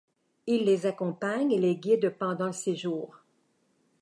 Il les accompagne et les guide pendant le séjour.